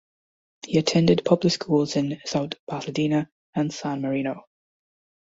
He attended public schools in South Pasadena and San Marino.